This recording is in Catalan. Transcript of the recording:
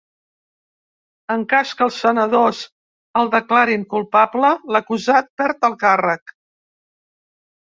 En cas que els senadors el declarin culpable, l’acusat perd el càrrec.